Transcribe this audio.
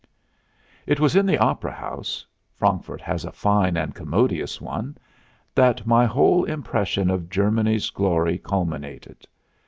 It was in the opera house Frankfurt has a fine and commodious one that my whole impression of Germany's glory culminated.